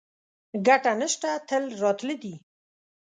ګټه نشته تله راتله دي